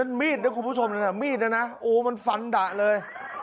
นั่นมีดนะคุณผู้ชมมีดนะนะโอ้มันฟันดะเลย